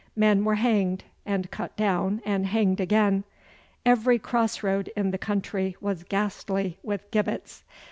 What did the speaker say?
Men were hanged and cut down and hanged again. Every cross road in the country was ghastly with gibbets.